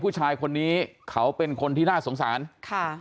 ผู้ชายคนนี้เขาเป็นคนที่น่าสงสารค่ะ